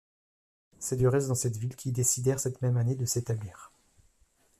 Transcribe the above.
C’est du reste dans cette ville qu’ils décidèrent cette même année de s’établir.